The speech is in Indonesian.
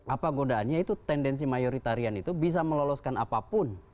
apa godaannya itu tendensi mayoritarian itu bisa meloloskan apapun